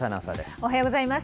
おはようございます。